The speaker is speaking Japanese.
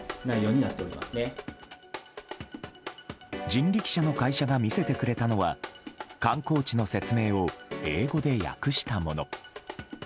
人力車の会社が見せてくれたのは観光地の説明を英語で訳したもの。